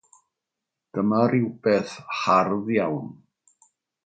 Dyma rywbeth hardd iawn!